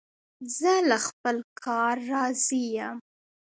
زه له خپل کار راضي یم.